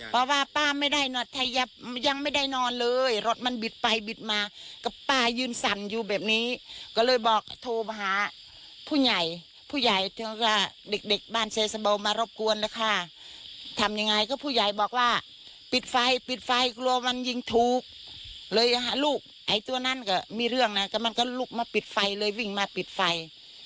เพราะว่าป้าไม่ได้น็อตถ้ายังไม่ได้นอนเลยรถมันบิดไปบิดมากับป้ายืนสั่นอยู่แบบนี้ก็เลยบอกโทรมาหาผู้ใหญ่ผู้ใหญ่เธอก็เด็กเด็กบ้านเซสะเบามารบกวนแล้วค่ะทำยังไงก็ผู้ใหญ่บอกว่าปิดไฟปิดไฟกลัวมันยิงถูกเลยลูกไอ้ตัวนั้นก็มีเรื่องนะก็มันก็ลุกมาปิดไฟเลยวิ่งมาปิดไฟ